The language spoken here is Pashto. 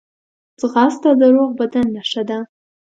ځغاسته د روغ بدن نښه ده